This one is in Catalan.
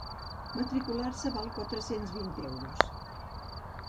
Matricular-se val quatre-cents vint euros.